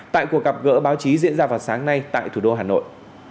tại cuộc gặp gỡ báo chí diễn ra vào sáng nay tại thủ đô hà nội